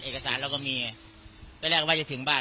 เอกสารเราก็มีไงไปเรียกว่าจะถึงบ้าน